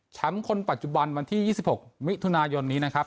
คนปัจจุบันวันที่๒๖มิถุนายนนี้นะครับ